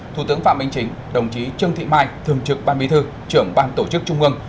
thủ tướng phạm minh chính đồng chí trương thị mai thường trực ban bí thư trưởng ban tổ chức trung ương